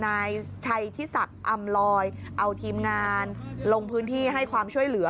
นายชัยทิศักดิ์อำลอยเอาทีมงานลงพื้นที่ให้ความช่วยเหลือ